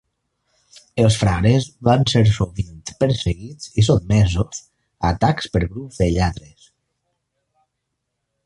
Els frares van ser sovint perseguits i sotmesos a atacs per grups de lladres.